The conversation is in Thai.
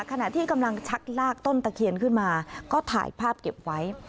ขณะที่กำลังชักลากต้นตะเคียนขึ้นมาก็ถ่ายภาพเก็บไว้